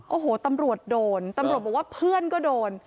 โอ้โหตำรวจโดนตำรวจบอกว่าเพื่อนก็โดน